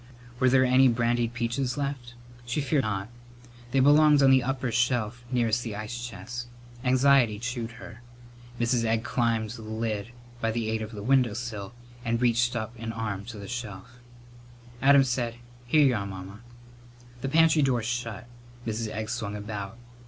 Were there any brandied peaches left? She feared not. They belonged on the upper shelf nearest the ice chest. Anxiety chewed her. Mrs. Egg climbed the lid by the aid of the window sill and reached up an arm to the shelf. Adam said, "Here y'are, Mamma." The pantry door shut. Mrs. Egg swung about.